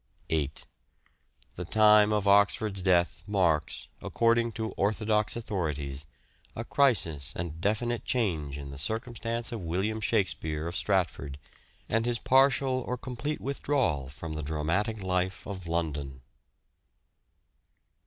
8. The time of Oxford's death marks, according to orthodox authorities, a crisis and definite change in the circumstances of William Shakspere of Stratford, and his partial or complete withdrawal from the dramatic life of London.